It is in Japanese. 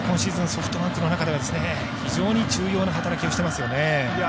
ソフトバンクの中では非常に重要な働きしてますよね。